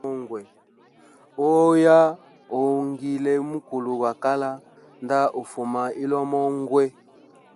Uoya ungile mukulu gwa kala, nda umufa ilomo ngwee.